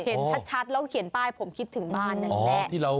เห็นชัดแล้วเขียนป้ายผมคิดถึงบ้านนั่นแหละ